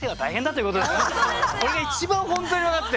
これが一番本当に分かって。